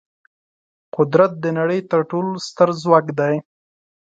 قدرت د نړۍ تر ټولو ستر ځواک دی.